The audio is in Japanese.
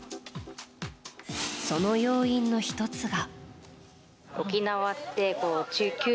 その要因の１つが。